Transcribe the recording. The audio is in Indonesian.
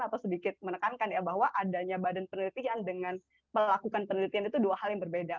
atau sedikit menekankan ya bahwa adanya badan penelitian dengan melakukan penelitian itu dua hal yang berbeda